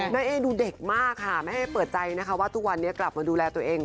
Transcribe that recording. เอ๊ดูเด็กมากค่ะแม่เอ๊เปิดใจนะคะว่าทุกวันนี้กลับมาดูแลตัวเอง